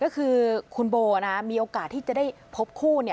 ก็คือคุณโบมีโอกาสที่จะได้พบคู่